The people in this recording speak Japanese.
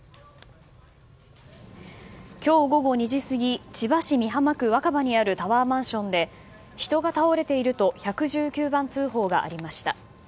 今日午後２時過ぎ千葉市美浜区若葉にあるタワーマンションで人が倒れていると１１９番通報がありました。